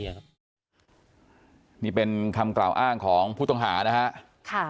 อศูนย์นี่เป็นคำกล่าวอ้างของผู้ตงหาห์นะคะ